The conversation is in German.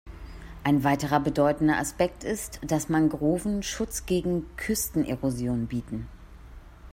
Ein weiterer bedeutender Aspekt ist, dass Mangroven Schutz gegen Küstenerosion bieten.